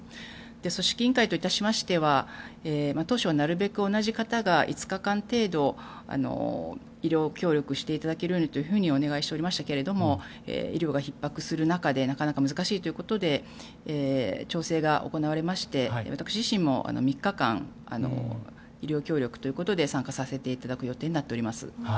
組織委員会と致しましては当初はなるべく同じ方が５日間程度医療協力していただけるようにとお願いしておりましたけれども医療がひっ迫する中でなかなか難しいということで調整が行われまして私自身も３日間、医療協力ということで参加させていただく予定になっております。